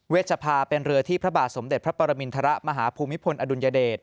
ชภาเป็นเรือที่พระบาทสมเด็จพระปรมินทรมาฮภูมิพลอดุลยเดช